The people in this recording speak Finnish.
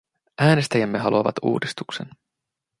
Äänestäjämme haluavat uudistuksen.